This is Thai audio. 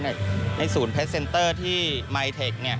ในศูนย์พัฒน์เซ็นเตอร์ที่มายเทค